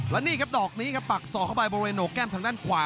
และนี่ครับดอกนี้ครับปักศอกเข้าไปบริเวณโหนกแก้มทางด้านขวา